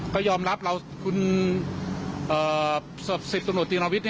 ก็ยอมรับเราคุณ๑๐ตำรวจธีรวิทย์